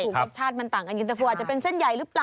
ถูกถูกรสชาติมันต่างกันยินแต่ควรจะเป็นเส้นใหญ่หรือเปล่า